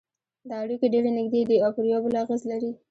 دا اړیکې ډېرې نږدې دي او پر یو بل اغېز لري